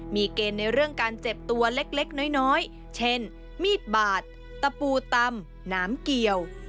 มีเกณฑ์ในเรื่องการเจ็บตัวเล็กน้อยเช่นมีดบาดตะปูตำน้ำเกี่ยว